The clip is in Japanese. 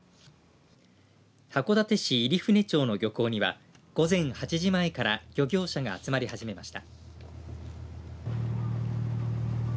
函館市入舟町の漁港には午前８時前から漁業者が集まり始めました。